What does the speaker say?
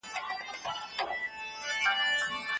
مقاماتو په خپل سر اجرآتو او عملیاتو ته لاس واچاوه.